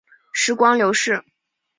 时光流逝